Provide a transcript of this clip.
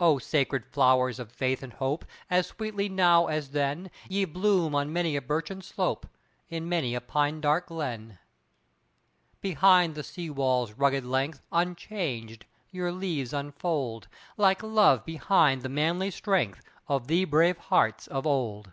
O sacred flowers of faith and hope, As sweetly now as then Ye bloom on many a birchen slope, In many a pine dark glen. Behind the sea wall's rugged length, Unchanged, your leaves unfold, Like love behind the manly strength Of the brave hearts of old.